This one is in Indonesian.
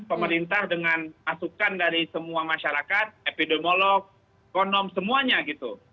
pemerintah dengan masukan dari semua masyarakat epidemiolog ekonom semuanya gitu